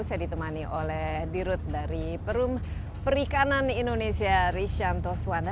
saya ditemani oleh dirut dari perum perikanan indonesia rishanto swana